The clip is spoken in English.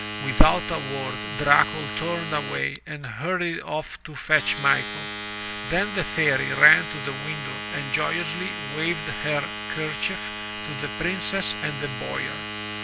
Without a word, Dracul turned away and hurried off to fetch Michael. Then the Fairy ran to the window and joyously waved her kerchief to the Princess and the Boyar.